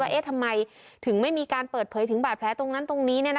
ทำไมถึงไม่มีการเปิดเผยถึงบาดแผลตรงนั้นตรงนี้